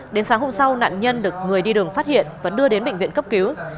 đến sáng hôm sau nạn nhân được người đi đường phát hiện và đưa đến bệnh viện cấp cứu